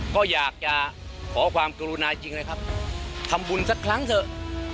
ก็อยากจะขอความกรุณาจริงเลยครับทำบุญสักครั้งเถอะ